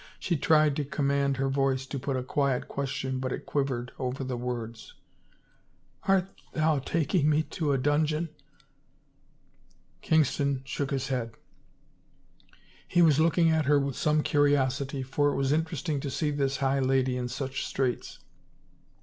She tried to command her voice to put a quiet question but it quivered over the words. " Art thou taking me to — a dungeon ?" Kingston shook his head. He was looking at her with some curiosity for it was interesting to see this high lady in such straits.